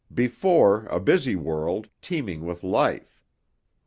Before, a busy world, teeming with life.